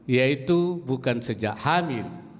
yaitu bukan sejak hamil